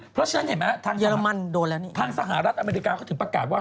เพราะฉะนั้นเห็นไหมทางสหรัฐอเมริกาก็ถึงประกาศว่า